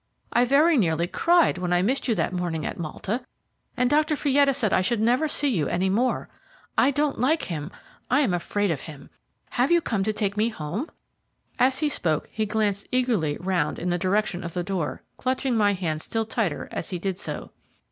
I very nearly cried when I missed you that morning at Malta, and Dr. Fietta said I should never see you any more. I don't like him I am afraid of him. Have you come to take me home?" As he spoke he glanced eagerly round in the direction of the door, clutching my hand still tighter as he did so.